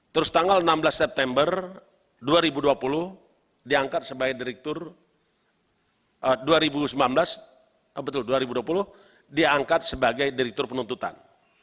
terus tanggal enam belas september dua ribu dua puluh diangkat sebagai direktur penuntutan